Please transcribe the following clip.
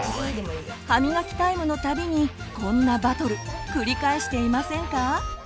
歯みがきタイムのたびにこんなバトル繰り返していませんか？